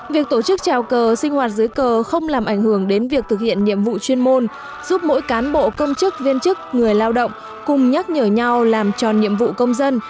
việc tổ chức trào cờ sinh hoạt dưới cờ không làm ảnh hưởng đến việc thực hiện nhiệm vụ chuyên môn giúp mỗi cán bộ công chức viên chức người lao động cùng nhắc nhở nhau làm tròn nhiệm vụ công dân